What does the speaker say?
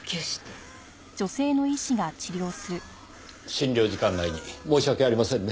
診療時間外に申し訳ありませんね。